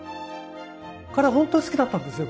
彼本当好きだったんですよ